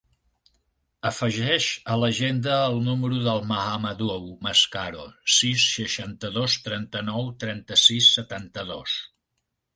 Afegeix a l'agenda el número del Mahamadou Mascaro: sis, seixanta-dos, trenta-nou, trenta-sis, setanta-dos.